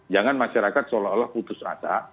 jangan masyarakat seolah olah putus asa